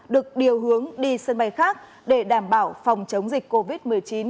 được điều hướng đi sân bay khác để đảm bảo phòng chống dịch covid một mươi chín